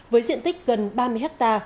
với diện tích gần ba mươi ha